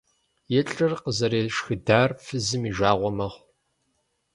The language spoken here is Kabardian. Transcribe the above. И лӏыр къызэрешхыдар фызым и жагъуэ мэхъу.